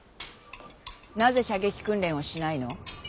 なぜ射撃訓練をしないの？